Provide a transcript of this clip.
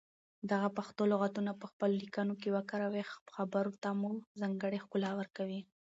دغه پښتو لغتونه په خپلو ليکنو کې وکاروئ خبرو ته مو ځانګړې ښکلا ورکوي.